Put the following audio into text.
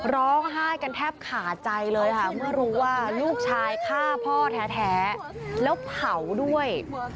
ร้องไห้กันแทบขาดใจเลยค่ะเมื่อรู้ว่าลูกชายฆ่าพ่อแท้แล้วเผาด้วย